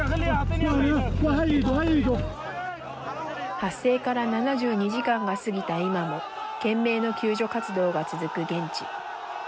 発生から７２時間が過ぎた今も懸命の救助活動が続く現地。